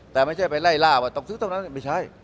แต่ไม่ใช่ไปไล่ล่าว่าต้องซื้อตรงนั้นไม่ใช่